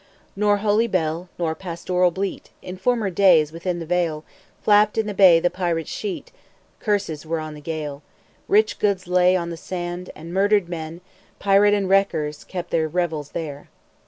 Nor holy bell, nor pastoral bleat, In former days within the vale. Flapped in the bay the pirate's sheet, Curses were on the gale; Rich goods lay on the sand, and murdered men, Pirate and wreckers kept their revels there.